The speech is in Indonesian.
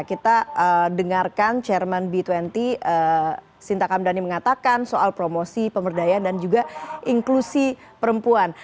kita dengarkan chairman b dua puluh sinta kamdhani mengatakan soal promosi pemberdayaan dan juga inklusi perempuan